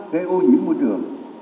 gây ô nhiễm môi trường